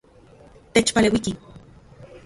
Techpaleuiki.